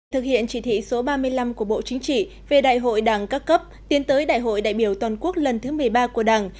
thực hiện chỉ thị số ba mươi năm của bộ chính trị về đại hội đảng các cấp tiến tới đại hội đại biểu toàn quốc lần thứ một mươi ba của đảng